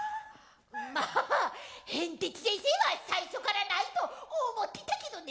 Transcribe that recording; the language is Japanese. まあへんてつ先生は最初からないと思ってたけどね。